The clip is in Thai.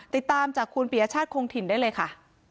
ติดตามจากคุณปียชาติคงถิ่นได้เลยค่ะ